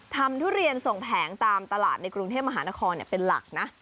ทุเรียนส่งแผงตามตลาดในกรุงเทพมหานครเป็นหลักนะ